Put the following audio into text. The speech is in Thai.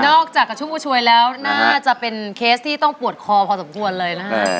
จากกระชุ่มกระชวยแล้วน่าจะเป็นเคสที่ต้องปวดคอพอสมควรเลยนะฮะ